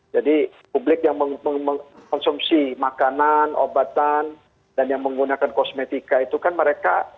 jadi publik yang mengkonsumsi makanan obatan dan yang menggunakan kosmetika itu kan mereka